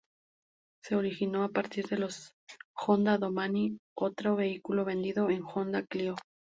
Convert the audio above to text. Se originó a partir de los Honda Domani otra vehículo vendido en "Honda Clio".